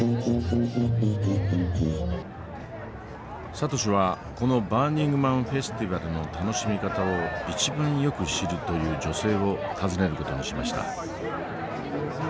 サトシはこのバーニングマン・フェスティバルの楽しみ方を一番よく知るという女性を訪ねる事にしました。